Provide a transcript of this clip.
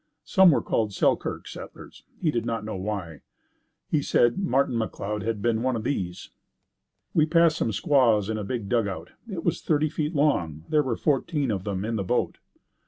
Some were called Selkirk settlers. He did not know why. He said Martin McLeod had been one of these. We passed some squaws in a big dugout. It was thirty feet long. There were fourteen of them in the boat.